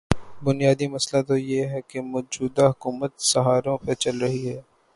بنیادی مسئلہ تو یہ ہے کہ موجودہ حکومت سہاروں پہ چل رہی ہے۔